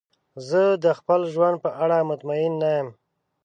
زه د خپل ژوند په اړه مطمئن نه یم.